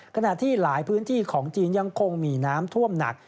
ขณะที่หลายพื้นที่ของจีนยังคงมีน้ำท่วมหนัก